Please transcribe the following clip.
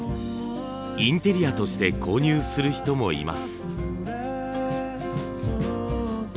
インテリアとして購入する人もいます。